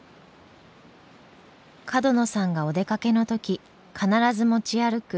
角野さんがお出かけの時必ず持ち歩く